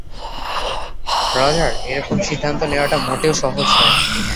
Roger, এরকম সিদ্ধান্ত নেওয়াটা মোটেও সহজ নয়।